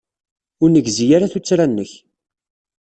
Ur negzi ara tuttra-nnek.